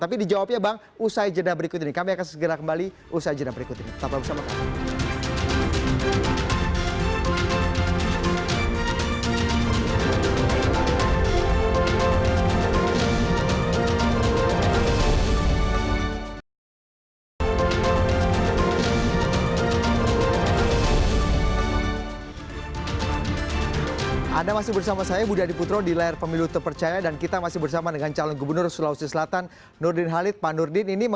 tapi dijawabnya bang usai jeda berikut ini